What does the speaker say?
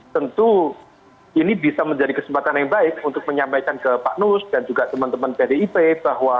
tentu ini bisa menjadi kesempatan yang baik untuk menyampaikan ke pak nus dan juga teman teman pdip bahwa